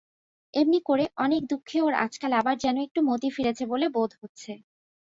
এমনি করে অনেক দুঃখে ওর আজকাল আবার যেন একটু মতি ফিরেছে বলে বোধ হচ্ছে।